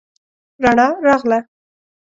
رڼا راغله